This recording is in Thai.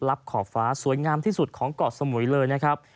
ขอบฟ้าสวยงามที่สุดของเกาะสมุยเลยนะครับ